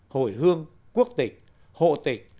hồi hương quốc tịch hộ tịch